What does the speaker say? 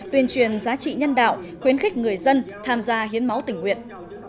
tuyên truyền giá trị nhân đạo khuyến khích người dân tham gia hiến máu tình nguyện